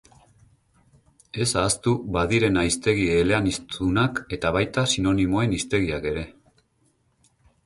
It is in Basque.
Ez ahaztu badirena hiztegi eleaniztunak eta baita sinonimoen hiztegiak ere.